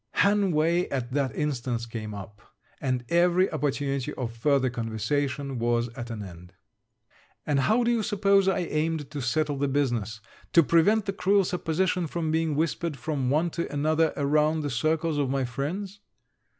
Hanway at that instant came up, and every opportunity of further conversation was at an end. And how do you suppose I aimed to settle the business, to prevent the cruel supposition from being whispered from one to another around the circles of my friends?